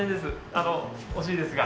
あの惜しいですが。